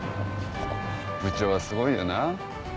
部長はすごいよな。